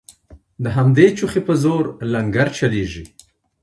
د همدې چوخې په زور لنګرچلیږي